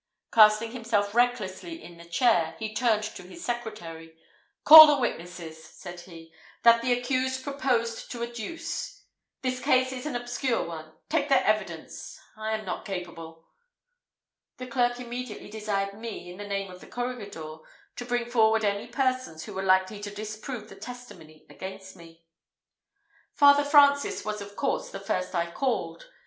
Casting himself recklessly in the chair, he turned to his secretary. "Call the witnesses," said he, "that the accused proposed to adduce. This case is an obscure one. Take their evidence I am not capable." The clerk immediately desired me, in the name of the corregidor, to bring forward any persons who were likely to disprove the testimony against me. Father Francis was of course the first I called.